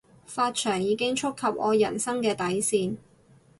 髮長已經觸及我人生嘅底線